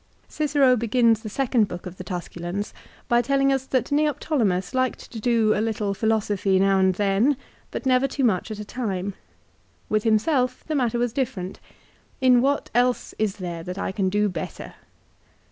Cicero begins the second book of the Tusculans by telling us that Neoptolemus liked to do a little philosophy now and then, but never too much at a time. With himself the matter was different. " In what else is there that I can do better